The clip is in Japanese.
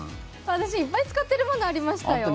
私、いっぱい使ってるものありましたよ。